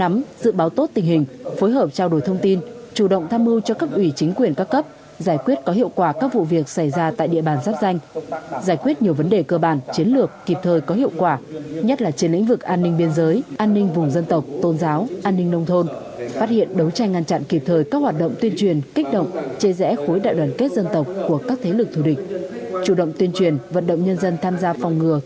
năm dự báo tốt tình hình phối hợp trao đổi thông tin chủ động tham mưu cho các ủy chính quyền các cấp giải quyết có hiệu quả các vụ việc xảy ra tại địa bàn giáp danh giải quyết nhiều vấn đề cơ bản chiến lược kịp thời có hiệu quả nhất là trên lĩnh vực an ninh biên giới an ninh vùng dân tộc tôn giáo an ninh nông thôn phát hiện đấu tranh ngăn chặn kịp thời các hoạt động tuyên truyền kích động chê rẽ khối đại đoàn kết dân tộc của các thế lực thù địch chủ động tuyên truyền vận động nhân dân tham gia phòng